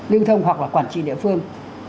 lưu thông hoặc là quản trị địa phương